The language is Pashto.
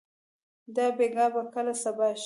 دا بېګا به کله صبا شي؟